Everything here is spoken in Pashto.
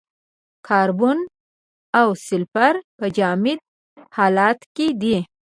کاربن او سلفر په جامد حالت کې دي.